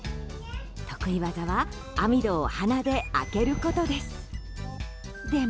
得意技は、網戸を鼻で開けることです。